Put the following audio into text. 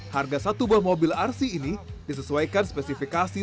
harga satu buah mobil rc ini disesuaikan spesifikasi